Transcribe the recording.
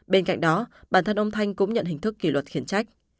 bên cạnh đó bản thân ông thanh cũng nhận hình thức kỷ luật khiển trách